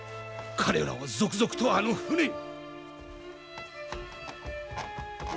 彼らは続々とあの船に。